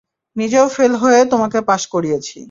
নিজেও ফেল হয়ে তোমাকে পাশ করিয়েছি।